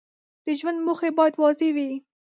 د ژوند موخې باید واضح وي.